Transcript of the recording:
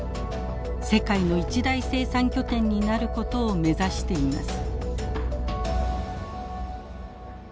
世界の一大生産拠点になることを目指しています。